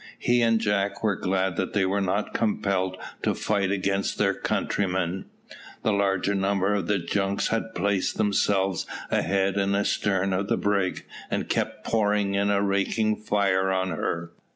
He and Jack were glad that they were not compelled to fight against their countrymen. The larger number of the junks had placed themselves ahead and astern of the brig, and kept pouring in a raking fire on her.